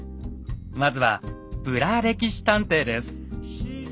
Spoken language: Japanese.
まずは「ブラ歴史探偵」です。